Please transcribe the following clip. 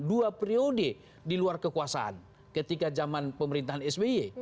dua periode di luar kekuasaan ketika zaman pemerintahan sby